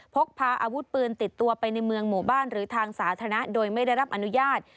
พกพาอาวุธปืนติดตัวไปในเมืองหมู่บ้านหรือทางสาธารณะโดยไม่ได้รับอนุญาต